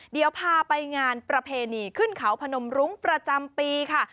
เดี๋ยวพาไปงานประเพณีขึ้นเขาพนมรุ้งประจำปีค่ะ